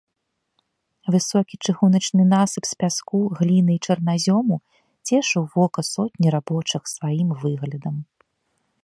Высокі чыгуначны насып з пяску, гліны і чарназёму цешыў вока сотні рабочых сваім выглядам.